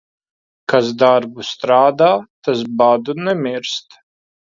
Kas darbu strādā, tas badu nemirst.